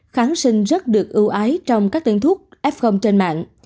kháng sinh rất được ưu ái trong các tên thuốc f trên mạng